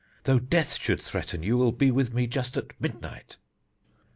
Though death should threaten, you will be with me just at midnight."